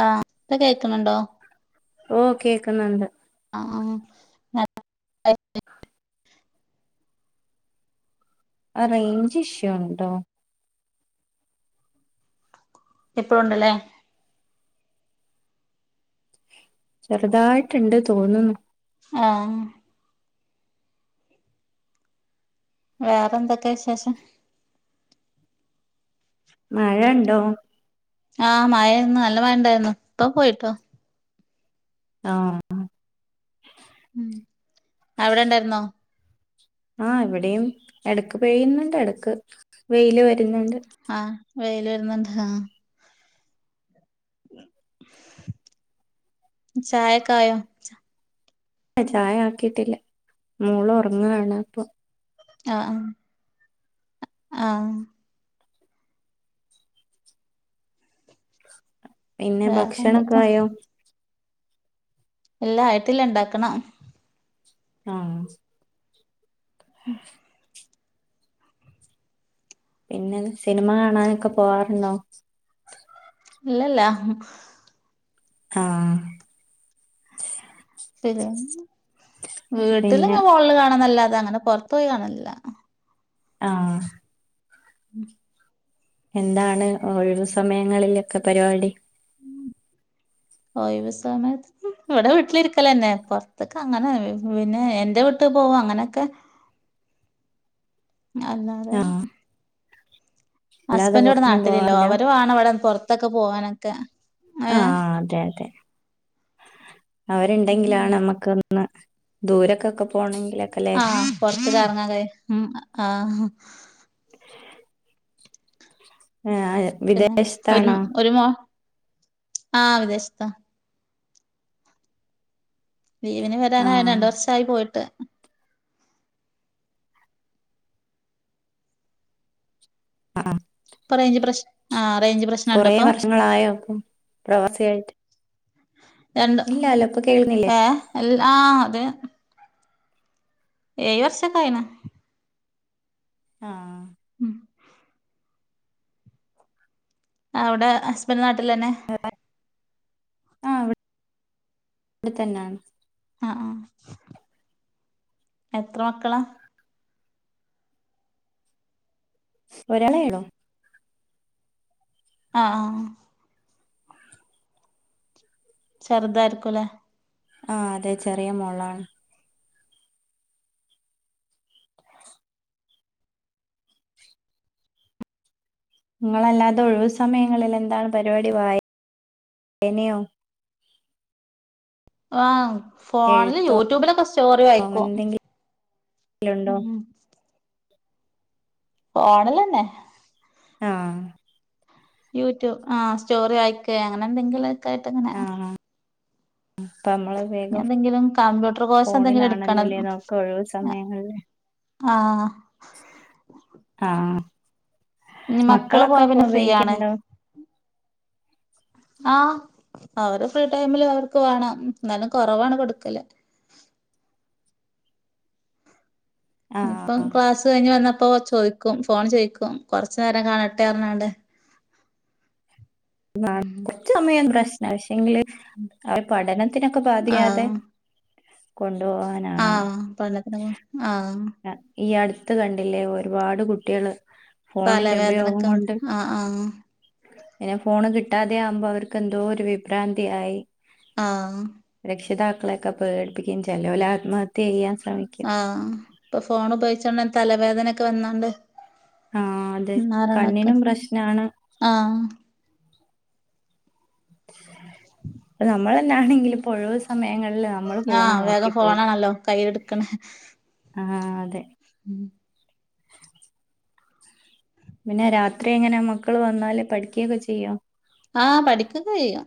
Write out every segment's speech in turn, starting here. ആഹ ഇപ്പ കേൾക്കുന്നുണ്ടോ ഓ കേക്കുന്നുണ്ട് ആ ആ റേഞ്ച് ഇഷ്യൂ ഉണ്ടോ ഇപ്പഴുണ്ടല്ലേ ചെറുതായിട്ടുണ്ട് തോന്നുന്നു ആഹ വേറെ എന്തൊക്കെ വിശേഷം മഴ ഇണ്ടോ ആഹ മഴായിരുന്നു നല്ല മഴ ഉണ്ടായിരുന്നു ഇപ്പ പോയിട്ടോ ആഹ ഉം അവിടെ ഇണ്ടായിരുന്നോ ആഹ എവിടെയും എടക്ക് പെയ്യുന്നുണ്ട് ഇടക്ക് വെയില് വ ആഹ വെൽ വരുന്നുണ്ട് ആഹ ചായക്കായോ ചായ ആക്കിട്ടില്ല മൂള ഉറങ്ങാണ് അപ്പ ആഹ ആഹ ആഹ പിന്നെ വേറെ എന്തൊക്കെ ഭക്ഷണക്കൊയയോ എല്ല ആായിട്ടില്ല ഇണ്ടാക്കണ ആഹ ഉം പിന്നെ സിനിമ കാണാനൊക്കെ പോവാറുണ്ടോ ഇല്ലല്ലാ ആഹ പിെ പിന്നെ വീട്ടിലിങ്ങെ വോളിൽ കാണാനല്ലാതെ അങ്ങനെ പൊറത്ത പോയി കാണാനില്ല ആ [unintelligible] എന്താണ് ഒഴിവു സമയങ്ങളിലൊക്കെ പരിവാടി? ഒഴിവ് സമയത്ത് ഇവിടെ വീട്ടിലിരിക്കലന്നെ പൊർത്ത്ക്ക ങ്ങനെ പിന്നെ എന്റെ വ് ട്ട് പോഉ അങ്ങനൊക്കെ [inaudible] അല്ലാതേ ആഹ് അല്ലാതെ ഹസ്ബൻ്റ് വ്ടെ പുറത്തൊന്നും ന്നാട്ടില് ഇല്ല പോവാറില്ല അവര് വാണ വടെ പൊർത്തൊക്കെ പോവാനൊക്കെ ആ ഏഹ് അതെ അതെ ഉം അവര്ണ്ടെങ്കിലാണ് അമ്ക്ക് ന്ന ദൂരക്കൊക്ക പോണെന് ആ പൊർത്ത് കറങ്ങാൻ കയി മ് അ ആ ഏഹ് പിന്നെ ഒര് വിദേശത്താണോ മ് ഒരു മോ ആ വിദേശ്ത്താ ലീവിന് വരാനായിണ് ആഹ് രണ്ട് വർഷായി പോയിട്ട് പ റെയ്ഞ്ച് പ്രശ് ആ ആ കൊറെ വർഷങ്ങളായോ പ്രവാസിയായിട്ട് രണ്ട് ഇല്ലല്ലോ ഇപ്പൊ കേൾക്കുന്നില്ലേ ഏ എല്ല ആ അതേ ഏയ് വർഷൊക്കായിണ് ആ മ് അവ്ടെ ഹസ്ബൻ്റ് ന്നാട്ടിലന്നെ ആ വ്ട് വ്ടെത്തന്നാണ് അ ആ എത്ര മക്കളാ? ഒരാളെ ള്ളു അ ആ ചെർതായ്ര്ക്കു ലേ ആ അതെ ചെറിയ മോളാണ് ങ്ങളെല്ലാതെ ഒഴിവു സമയങ്ങളിലെ ന്താണ് പരിവാടി വായ് എനിയും വൗ! ഫോണ്ല് എഴുത്തോ യൂട്യൂബിലൊക്കെ സ്റ്റോറി അങ്ങനെ വായ്ക്കും എന്തെങ്കിലും ഉണ്ടോ ഫോണ്ലെന്നെ ആ യൂട്യൂ ആ സ്റ്റോറി വായ്ക്കെ അങ്ങന എന്തെങ്കിലു ഒക്കെ ആയിട്ട് അങ്ങനെ ആഹ് അപ്പൊ നമ്മള് ഞെ വേഗം എന്തെങ്കിലും കമ്പ്യൂട്ടർ കോഴ്സ് എന്തെങ്കിലും എട്ക്കണം ഫോണിലാണല്ലോല്ലേ നോക്ക ഒഴിവ് മ് ആ ആ ആ ഇനി മക്കള് മക്കളൊക്ക പോയാ പം പിന്നെ ഫ്രീ ആണ് ഉപയോഗിക്ക്ണ്ടോ? ആ അവര് ഫ്രീ ടൈമില് അവർക്ക് വേണം ന്നാലും കൊറവാണ് കൊട്ക്കല് ഇപ്പം ആഹ് ക്ലാസ്സ് കഴിഞ്ഞ് വന്നപ്പോ ചോ ചോയ്ക്കും ഫോൺ ചോയ്ക്കും കൊറച്ച് ന്നേരം കാണട്ടെ പറഞ്ഞോണ്ട് ന്നാൽ കൊർച്ച് സമയം പ്രശ്ന പക്ഷെങ്കില് അവര് പഠനത്തിനൊക്കെ ബാധിയാതെ ആഹ് കൊൺ ണ്ടോവാനാവണം ആഹ് പഠനത്തിന് പോ ആഹ് ഈ അട്ത്ത് കണ്ടില്ലേ ഒര്പാട് കുട്ടിയാൾ ഫോണിന്റെ ഉപയോഗം തലവേദനൊക്കെ കൊണ്ട് ആഹ് ആഹ് എനി ആ ഫോണ് കിട്ടാതെ ആവുമ്പോ അവർക്ക് എന്തോ ഒരു വിഭ്രാന്തിയായി ആ മക്കളെ ഒക്കെ പേട്പ്പിക്കും ചെലോല് ആത്മഹത്യ എയ്യാൻ സ് ആ ഇപ്പം ഫോണ് ഉപയോഗിചാണ് തലവേദനൊക്ക വന്നാണ്ട് ആഹ് അതെ മരണൊക്ക കണ്ണിനും പ്രശ്നാണ് ആ ഇപ്പനമ്മളെന്നാണെങ്കും ഇപ്പൊഴിവ് സമയങ്ങളിൽ നമ്മള് ഫോണ് ആഹ് വേഗം നോക്കിപ്പോകും ഫോണാണല്ലോ കയ്യിലെടുക്കണ ആ ഉം പിന്നെ രാത്രിയെങ്ങനെ മക്കള് വന്നാല് പഠിക്കയൊക്കെചെയ്യോ ആഹ് പഠിക്കയൊക്കെചെയ്യോ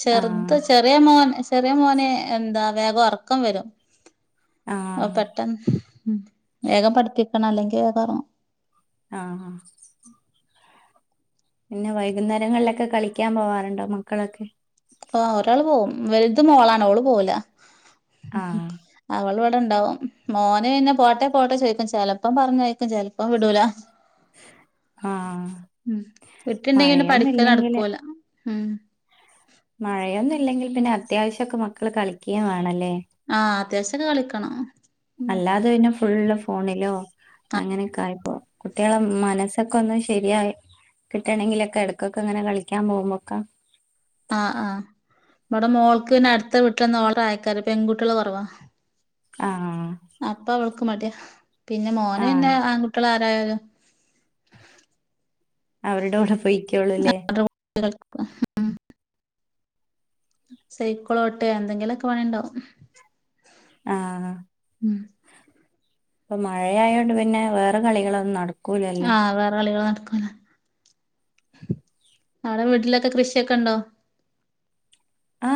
ചെറുത് ആഹ് ചെറിയമോൻ ചെറിയ മോന് എന്താ വേഗം ഉറക്കംവരും ആ ആഹ് പെട്ടന്ന് ഉം വേഗം പഠപ്പിക്കണം അല്ലെങ്കി വേഗോറങ്ങും ആ-ഹ പിന്നെ വൈകുന്നേരങ്ങളിലൊക്കെ കളിക്കാൻപോവാറുണ്ടോ മക്കളൊക്കെ ആ ഒരാള്പോകും വലുത് മോളാണ് അവള് പോവുല ആഹ് അവൾ ഇണ്ടാവും മോന് പിന്നെ പോട്ടെപ്പോട്ടെ ചോദിക്കും ചെലപ്പം പറഞ്ഞയക്കും ചെലപ്പം വിടൂല ആഹ് ഉം വിട്ട്ണ്ടെങ്കിന്നെ മഴയൊന്നും പഠിക്കല് ഇല്ലെങ്കില് നടക്കൂല ഉംഹ് മഴയൊന്നില്ലെങ്കിൽ പിന്നെ അത്യാവശ്യോക്കെ മക്കള് കളിക്കുകയും വേണല്ലേ ആഹ് അത്യാവശ്യൊക്കെ കളിക്കണം മ അല്ലാതെപിന്നെ ഫുള്ള് ഫോണിലോ അങ്ങനെയൊക്കായപ്പോവും കുട്ടികളെ മനസ്സൊക്കൊന്ന് ശരിയായി കിട്ടണെങ്കിലൊക്കെടക്കൊക്കങ്ങനെ കളിക്കാൻ പോകുമ്പൊക്ക ഇവടെ മോൾക്ക് പിന്നെ അടുത്തവീട്ടിലൊന്നും ഓളയക്കാറില്ല പെൺകുട്ടികള് കൊറവാ ആഹ് അപ്പവള്ക്ക്മടിയാ പിന്നെ ആഹ് മോന്പിന്നെ ആൺകുട്ടികളാരായാലും അവരുടെകൂടെ പോയിക്കോളൂല്ലേ [inaudible] സൈക്കളോട്ടേ എന്തെങ്കിലൊക്കെ പണിണ്ടാവും ആ-ഹാ ഉം ഇപ്പൊ മഴയായൊണ്ട്പിന്നെ വേറെ കളികളൊന്നും നടക്കു ആഹ് വേറെകളികള് നടക്കൂല ആടെ വീട്ടിലൊക്കെ കൃഷിയൊക്കെണ്ടോ ആ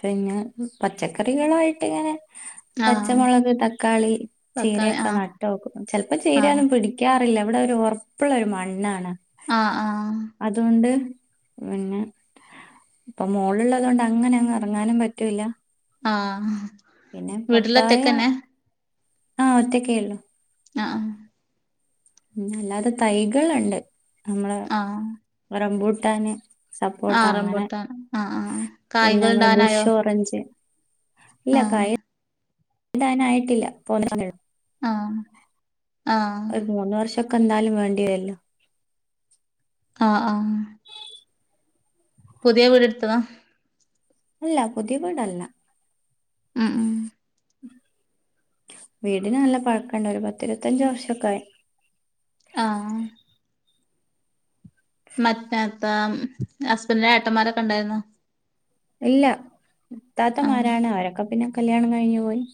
പിന്നെ പച്ചക്കറികളായിട്ടിങ്ങനെ ആഹ് പച്ചമുളക് തക്കാളി തക്കാളി ചീരയൊക്കെ ആഹ് നട്ടോക്കും ചിലപ്പോ ആഹ് ചീരയൊന്നും പിടിക്കാറില്ല ഇല്ല ഇവിടൊരു ഉറപ്പുള്ളൊരു മണ്ണാണ് ആഹ്-ആഹ് അതുകൊണ്ട് പിന്നെ ഇപ്പൊ മോളുള്ളത്കൊണ്ട് അങ്ങനങ്ങ് ഇറങ്ങാനും പറ്റൂല്ല ആഹ് പിന്നെ പപ്പായ വീട്ടിലൊറ്റക്കന്നെ ആഹ് ഒറ്റക്കെയൊള്ളു ആ-ആ പിന്നല്ലാതെ തൈകളുണ്ട് നമ്മടെ ആഹ് റംപൂട്ടാന് സപ്പോട്ട ആഹ് അങ്ങനെ റംബൂട്ടാൻ ആഹ് ആഹ് പിന്നെ കായ്കൾ നമ്മടെ ഇണ്ടാവാനായോ ബുഷ്ഓറഞ്ച് ആഹ് ഇല്ലകായ ഇടാനായിട്ടില്ല തോനെസമയെടുക്കും ആഹ് ആഹ് ഒരു മൂന്ന്വർഷം എന്നാലും വേണ്ടിവരില്ല ആഹ്-ആഹ് പുതിയ വീടെടുത്തതാ അല്ല പുതിയവീടല്ല ഉംഉം വീടിന് നല്ല പഴക്കണ്ട് ഒരു പത്തിരുപത്തഞ്ച് വർഷൊക്കായി ആഹ് മറ്റേതാ ഹസ്ബന്റിന്റെ ഏട്ടന്മാരൊക്കെണ്ടായിരുന്നോ ഇല്ല എത്താത്തമാരാണ് അവരൊക്കെ പിന്നെ കല്യാണം കഴിഞ്ഞ്ഞു പോയി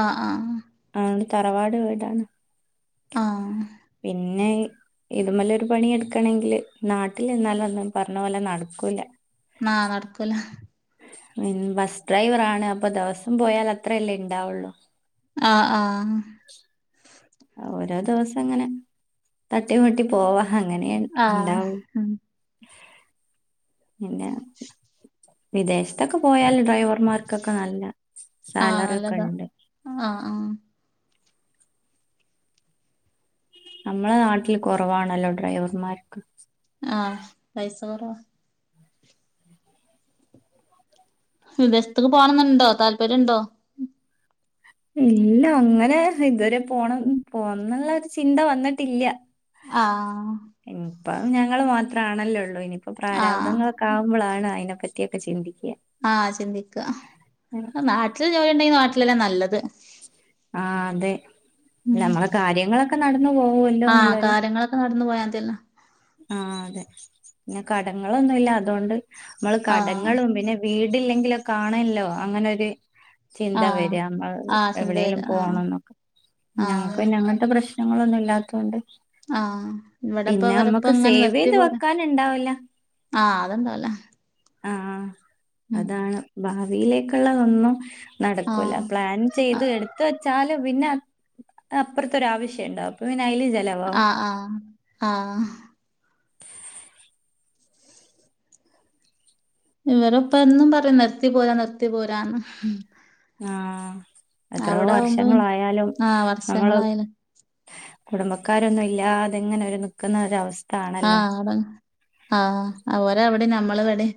ആഹ ആഹ അണ്ട് തറവാട് വീടാണ് ആഹ പിന്നെ ഇതുമല്ലെ ഒരു പണിെടുക്കണെങ്കില് നാട്ടിൽ എന്നാലും ഒന്നും പറഞ്ഞ പോലെ നട ആക്കല്ല ആഹ നടക്കൂല ഉ ബസ് ഡ്രൈവർ ആാണ് അപ്പൊ ദിവസം പോയാൽ അത്രയല്ലേ ഇണ്ടാവുള്ളു ആഹ ആഹ ഓരോ ദിവസം ഇങ്ങനെ തട്ടി വട്ടി പോവാ അങ്ങനെയ ആഹ് ഉണ്ടാവുള്ളു ഉം പിന്നെ വിദേശ ഇതൊക്കെ പോയാല് ഡ്രൈവർമാർക്കൊക്കെ നല്ല ആഹ് സാലറി ഒക്കെ നല്ലതാ ഉണ്ട് ആഹ് ആഹ് നമ്മളെ നാട്ടിൽ കുറവാണല്ലോ ഡ്രൈവർമാർക്ക് ആഹ പൈസ കുറ വിദേശത്തക്ക് പോണംന്നുണ്ടോ താല്പര്യംുണ്ടോ ഇല്ല അങ്ങനെ ഇതുവരെ പോണം പോന്നുള്ള ഒരു ചിന്ത വന്നിട്ടില്ല ആ അപ്പം ഞങ്ങള്ൾ മാത്രമാണല്ലോള്ളൂ ഇനിയിപ്പൊ ആഹ് പ്രാരബ്ധദങ്ങളൊക്കെ ആകുമ്പോളാണ് അതിനെപ്പറ്റിയൊക്കെ ചിന്തി ആഹ ചിന്തിക്കുക നാട്ടില് ജോലി ഉണ്ടെങ്കിൽ നാട്ടിലല്ലേ നല്ലത് ആഹ അതെ ഉം നമ്മള കാര്യങ്ങളൊക്കെ നടന്നു ആഹ് പോവല്ലോന്നുള്ളര് കാര്യങ്ങളൊക്കെ നടന്നു പോയാ മതിയല്ലോ ആ അതെ പിന്നെ കടങ്ങളൊന്നുംല്ല അതുകൊണ്ട് നമ്മള് ആഹ് കടങ്ങളും പിന്നെ വീട് ഇടില്ലെങ്കിലോ കാണല്ലോ അങ്ങനെരു ചിന്ത ആഹ് വരിക നമ്മ ആഹ് സിന്ധുവര എവിടെേലും ആഹ് പോണം എന്നൊക്കെ ഞങ്ങൾക്ക് ആഹ് പിന്നെ അങ്ങനത്തെ പ്രശ്നങ്ങളൊന്നും ഇല്ലാത്തുകൊണ്ട് ആഹ് ഇവിടെപ്പ പിന്നെ അവരപ്പ നമ്മുക്ക് ഇങ്ങനെ സേവ് നിർത്തി ചെയ്ത് പോരാ വെക്കാനുണ്ടാവല ആഹ് അതെണ്ടല്ലേ ആഹ അതാണ് ഭാവിയിലേക്കുള്ളതൊന്നും നടക്കൂല പ്ലാൻ ആഹ് എടു വച്ചാലും പിന്ന അപ്പശണ്ട ആഹ ആഹ് ആഹ ഇവരപ്പ എന്നും പറയാ നിർത്തി പോരാ നിർത്തി പോരാന്ന് ആഹ എത്രയോ അവിടെ ആവുമ്പോ വർഷങ്ങളായാലും ആഹ് നമ്മൾ വർഷങ്ങളായില്ലേ കുടുംബക്കാരൊന്നും ഇല്ലാതെങ്ങനെ ഒരു നൽിക്കുന്ന ഒ അവസ്ഥ ആഹ അവിടെ ആഹ ഓര അവിടെ നമ്മൾ ഇവിടെ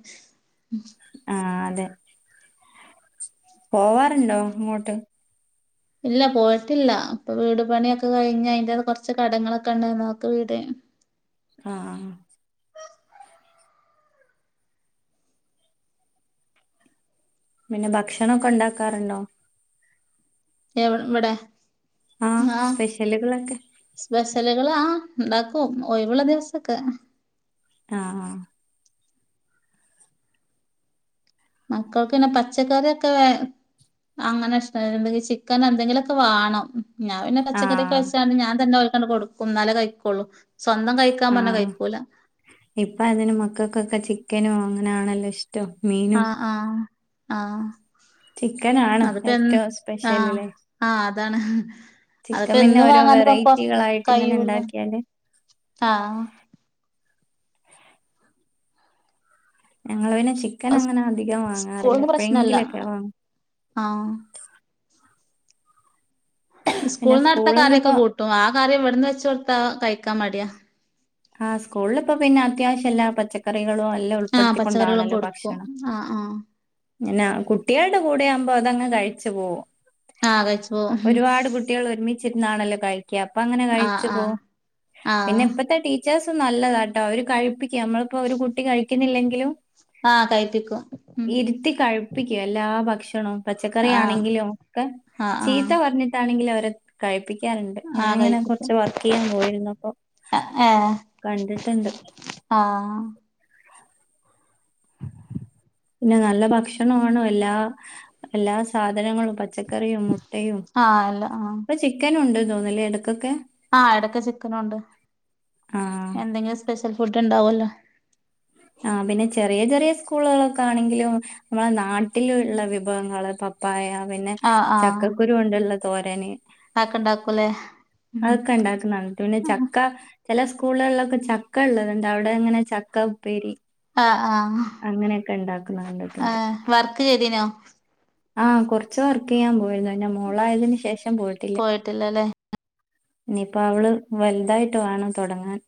ആഹ അതെ പോവാറുണ്ടോ അങ്ങോട്ട് ഇല്ല പോയിട്ടില്ല ഇപ്പൊ വീട് പണിയൊക്കെ കഴിഞ്ഞഞ് അതിറ കുറച്ച് കടങ്ങളൊക്കെ ഉണ്ടായിരുന്നു നക്ക് വീട് ആഹ പിന്നെ ഭക്ഷണൊക്കെ ഉണ്ടാക്കാറുണ്ടോ എ ഇവിടെ ആഹ് ആഹ സ്പെഷ്യലുകളൊക്കെ സ്പെഷലുകളൾാ ഉണ്ടാക്കും ഒിവുള്ള ദിവസൊക്കെ ആഹ മക്കൾക്ക് പിന്നെ പച്ചക്കറിയൊക്കെ അങ്ങനെ ഇഷണ്ടെങ്കിൽ ചിക്കൻ എന്തെങ്കിലുമൊക്കെ വേണം ഞാൻ പിന്നെ പച്ചക്കറിയക്കെ ആഹ് വെച്ചാണ്ട് ഞാൻ തന്നെഓക്കണ്ട് കൊടുുംന്നാലേ കഴിക്കൊള്ളൂ ആഹ ഇപ്പ അതിന് മക്കൾക്കൊക്കെ ചക്കനും അങ്ങനൊണല്ലോ ഇഷ്ടം മീനും ആഹ ചിക്കനാണ് അതിപ്പോ എ ഏറ്റവും ആഹ സ്പെഷ്യലില്ലേ ആഹ അതാണ് ചിക്കൻ അതിപ്പോ പിന്നെ എന്നും ഓരോ വാങ്ങാന പപ്പ വെറൈറ്റികളായിട്ട് ഇങ്ങനെ കഴൂല ഉണ്ടാക്കിയാല് ആഹ ഞങ്ങളൾെ ചിക്കൻ അങ്ങനെ അധികം വാങ്ങാറില്ല സ്കൂളിന്ന് പ്രശ്നല്ല എപ്പഴങ്കിലൊക്കെ വാങ്ങ. ആ പിന്നെ സ്കൂൾന്ന്‌ അവിടുത്തെ സ്കൂളിൽ കറിഒക്കെ നിന്നിപ്പോ കൂട്ടും ആ കറി ഇവിടുന്ന് വെച്ച് കൊടുത്ത കഴിക്കാൻ മടിയാ. ആ സ്കൂളിലിപ്പോ പിന്നെ അത്യാവശ്യം എല്ലാ പച്ചക്കറികളും എല്ലാം ആഹ് പച്ചക്കറികളും ഉൾപ്പെടുത്തിക്കൊണ്ടാണല്ലോ കൊടുക്കും ഭക്ഷണം. ആഹ് ആഹ് ഇങ്ങനാ കുട്ടികളുടെ കൂടെയാവുമ്പോ അതങ്ങ് കഴിച്ചു പോകും. [inaudible] ഒരുപാട് കുട്ടികൾ ഒരുമി ച്ചിരുന്നാണല്ലോ കഴിക്ക അപ്പ അങ്ങനെ കഴിച്ചു പോവും പിന്നെപ്പത്തെ ടീ വ്യത്യാസം നല്ലതാട്ടോ അവര് കഴിപ്പിക്കും നമ്മളിപ്പോ ഒരു കുട്ടി കഴിക്കുന്നില്ലെങ്കിലും ആഹ് കഴിച്ചു പോവും ഇരുത്തി കഴിപ്പിക്കൂം എല്ലാ ഭക്ഷ ഭ [unintelligible] പച്ചക്കറി [unintelligible] ആഹ് ആണെങ്കിലും ഒക്കെ ആഹ് ചീത്ത ആഹ് പറഞ്ഞിട്ടാണെങ്കിലും അവരെ കഴിപ്പിക്ക [unintelligible] ണ്ട് ആഹ് കഴിപ്പിക്കും ഉം ആഹ് ആഹ് ആഹ് ആഹ് ഞാനിങ്ങനെ കഴിപ്പിക്കും കൊർച്ച് വർക്ക് ചെയ്യാൻ പോയിരുന്നപ്പൊ ഏഹ് കണ്ടിട്ടിണ്ട് ആഹ് പിന്നെ നല്ല ഭക്ഷണാണ് എല്ലാ എല്ലാ സാധനങ്ങളും പച്ച കറിയും മുട്ടയും ആഹ് അല്ല ഇപ്പോ ചിക്കനുണ്ട് തോന്ന് ല്ലെ എട ആ എടക്ക് ചിക്കനൊണ്ട് ആ എന്തെങ്കിലും സ്പെഷ്യൽ ഫുഡ് ണ്ടാവല്ലോ. ആ പിന്നെ ചെറിയ ചെറിയ സ്കൂളുകളൊക്കെ ആണെങ്കിലും നമ്മളെ നാട്ടിലുള്ള വിഭവങ്ങള് പപ്പായ പിന്നെ ചക്കക്കുരു കൊണ്ടുള്ള തോരന്. അ ഒക്കെ ണ്ടാക്കൂല്ലേ അഒക്കെ ഇണ്ടാക്കുന്നുണ്ട് പിന്നെ ചക്ക ചെല സ്കൂളുകളിലൊക്കെ ചക്ക ള്ളത്ണ്ട് അവിട് ങ്ങനെ ചക്ക ഉപ്പേരി ആ അങ്ങനെയൊക്കെ ഉണ്ടാക്കുന്ന എ കണ്ടിട്ടുണ്ട്. വർക്ക് ചെയ്തീനോ. ആ കുറച്ച് വർക്ക് ചെയ്യാൻ പോയിരുന്നു പിന്നെ മോളായതിന് ശേഷം പോയിട്ടില്ലല്ലേ. ഇനിയിപ്പ അവള് വലുതായിട്ട് വാണം തൊടങ്ങാൻ.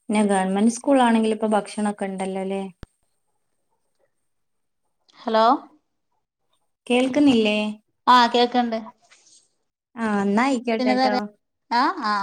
പിന്നെ ഗവൺമെന്റ് സ്കൂളിലാണെങ്കിൽ പ്പൊ ഭക്ഷണൊക്കെ ണ്ടല്ലോല്ലേ. ഹലോ കേൾക്കുന്നില്ലേ ആഹ് കേക്ക്ണ്ട് ന്നായിക്കോട്ടെട്ടോ ആ